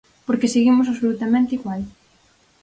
Porque seguimos absolutamente igual.